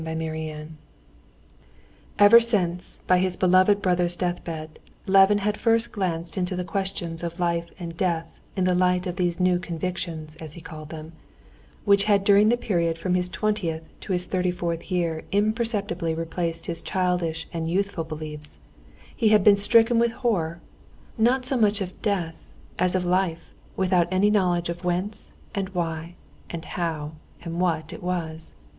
Chapter 8 Ever since, by his beloved brother's deathbed, Levin had first glanced into the questions of life and death in the light of these new convictions, as he called them, which had during the period from his twentieth to his thirty fourth year imperceptibly replaced his childish and youthful beliefs—he had been stricken with horror, not so much of death, as of life, without any knowledge of whence, and why, and how, and what it was.